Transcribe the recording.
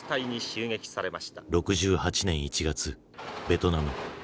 ６８年１月ベトナム。